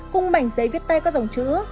cùng mảnh giấy viết tay có dòng chữ